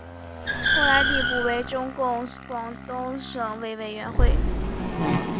后来递补为中共广东省委委员。